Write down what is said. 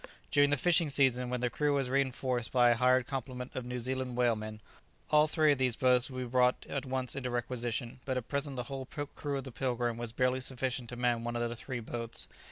During the fishing season, when the crew was reinforced by a hired complement of New Zealand whalemen, all three of these boats would be brought at once into requisition, but at present the whole crew of the "Pilgrim" was barely sufficient to man one of the three boats.